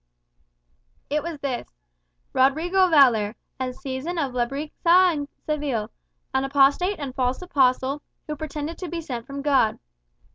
It was this: "Rodrigo Valer, a citizen of Lebrixa and Seville; an apostate and false apostle, who pretended to be sent from God."